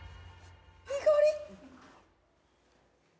いい香り！